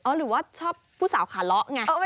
หรือว่าชอบผู้สาวขาเลาะไง